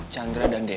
chandra dan devi